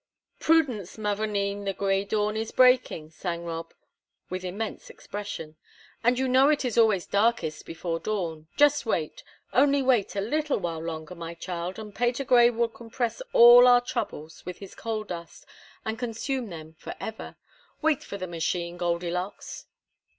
"Prudence, mavourneen, the Grey dawn is breaking," sang Rob, with immense expression. "And you know it is always darkest before dawn. Just wait only wait a little while longer, my child, and Patergrey will compress all our troubles with his coal dust, and consume them forever. Wait for the machine, Goldilocks."